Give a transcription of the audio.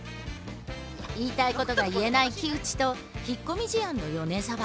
言いたいことが言えない木内と引っ込み思案の米沢。